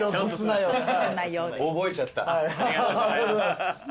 ありがとうございます。